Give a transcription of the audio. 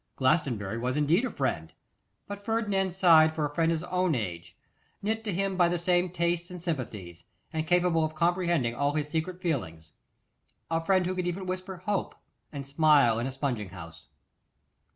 Glastonbury was indeed a friend, but Ferdinand sighed for a friend of his own age, knit to him by the same tastes and sympathies, and capable of comprehending all his secret feelings; a friend who could even whisper hope, and smile in a spunging house.